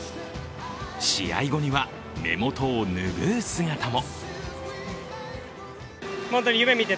試合後には、目元を拭う姿も。